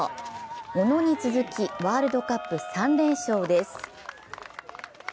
小野に続きワールドカップ３連勝です。